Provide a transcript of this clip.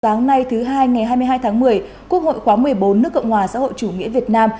sáng nay thứ hai ngày hai mươi hai tháng một mươi quốc hội khóa một mươi bốn nước cộng hòa xã hội chủ nghĩa việt nam